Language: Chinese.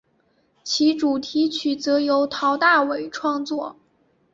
其主题曲则由陶大伟创作。